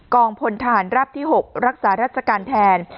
พลทหารรับที่๖รักษารัชการแทน